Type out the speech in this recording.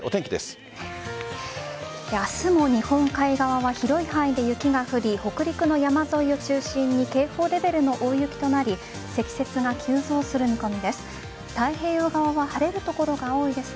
明日も日本海側は広い範囲で雪が降り北陸の山沿いを中心に警報レベルの大雪となり積雪が急増する見込みです。